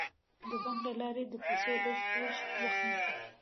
د بانک له لارې د پيسو لیږد لږ وخت نیسي.